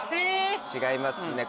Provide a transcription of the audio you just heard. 違いますね